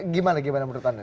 gimana menurut anda